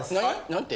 何て？